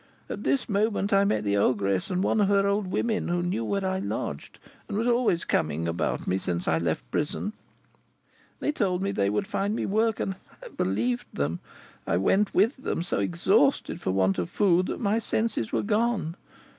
At this moment I met the ogress and one of her old women who knew where I lodged, and was always coming about me since I left prison. They told me they would find me work, and I believed them. I went with them, so exhausted for want of food that my senses were gone.